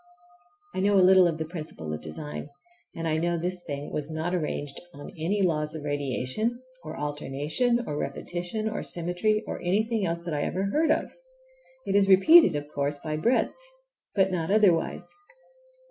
I know a little of the principle of design, and I know this thing was not arranged on any laws of radiation, or alternation, or repetition, or symmetry, or anything else that I ever heard of. It is repeated, of course, by the breadths, but not otherwise.